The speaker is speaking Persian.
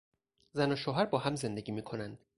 زن و شوهر با هم زندگی میکنند.